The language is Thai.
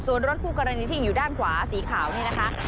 ส่วนรถคู่กรณีที่อยู่ด้านขวาสีขาวนี่นะคะ